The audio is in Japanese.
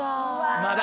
まだ。